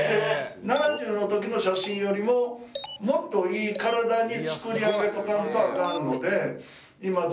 ７０の時の写真よりももっといい体に作り上げとかんとアカンので。